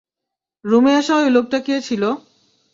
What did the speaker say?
রুমে আসা অই লোকটা কে ছিল?